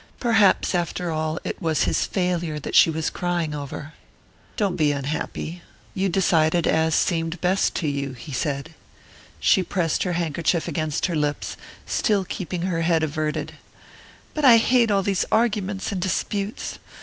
Perhaps, after all, it was his failure that she was crying over.... "Don't be unhappy. You decided as seemed best to you," he said. She pressed her handkerchief against her lips, still keeping her head averted. "But I hate all these arguments and disputes.